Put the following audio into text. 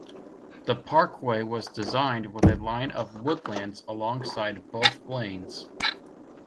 The parkway was designed with a line of woodlands alongside both lanes.